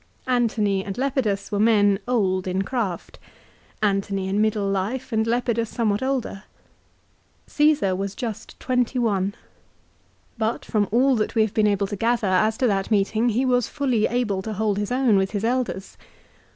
Antony and Lepidus were men old in craft. Antony in middle life and Lepidus somewhat older. Caesar was just twenty one. But from Veil. Paterculus, lib. ii. 65. 288 LIFE OF CICERO. all that we have been able to gather as to that meeting he was fully able to hold his own with his elders.